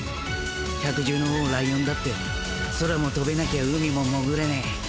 百獣の王ライオンだって空も飛べなきゃ海も潜れねえ。